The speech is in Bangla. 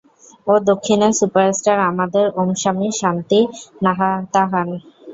ও দক্ষিনের সুপারস্টার আমাদের, ওমস্বামী শান্তিনাতাহান।